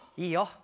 いいよ